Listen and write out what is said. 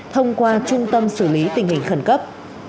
thông qua trung tâm xử lý tình hình khẩn cấp